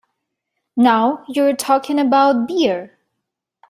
Now you are talking about beer!